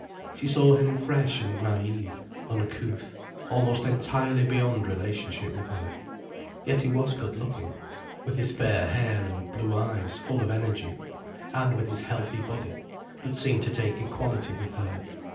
She saw him fresh and naïve, uncouth, almost entirely beyond relationship with her. Yet he was good looking, with his fair hair and blue eyes full of energy, and with his healthy body that seemed to take equality with her.